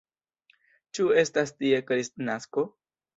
Ĉu estas tie Kristnasko?